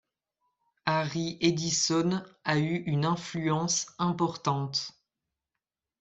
Harry Edison a eu une influence importante.